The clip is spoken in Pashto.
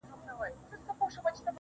هغه بدل دی لکه غږ چي مات بنگړی نه کوي~